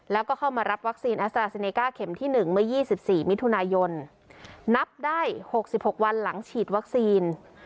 แล้วก็เข้ามารับวัคซีนอัสตราซีเนก้าเข็มที่หนึ่งเมื่อยี่สิบสี่มิถุนายนนับได้หกสิบหกวันหลังฉีดวัคซีน